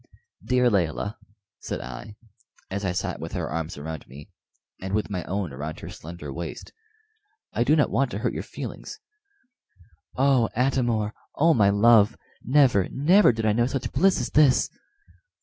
"Dear Layelah," said I, as I sat with her arms around me, and with my own around her slender waist, "I do not want to hurt your feelings." "Oh, Atam or! oh, my love! never, never did I know such bliss as this."